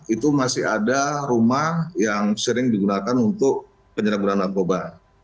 itu masih ada rumah yang sering digunakan untuk penyerangan narkoba